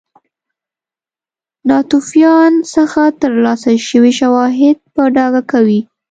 ناتوفیان څخه ترلاسه شوي شواهد په ډاګه کوي.